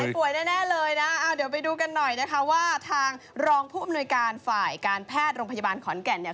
ป่วยแน่เลยนะเอาเดี๋ยวไปดูกันหน่อยนะคะว่าทางรองผู้อำนวยการฝ่ายการแพทย์โรงพยาบาลขอนแก่นเนี่ย